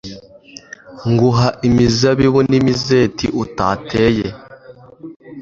nguha imizabibu n'imizeti utateye